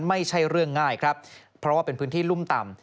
ไม่ใช่เรื่องง่ายครับเพราะว่าเป็นพื้นที่รุ่มต่ำ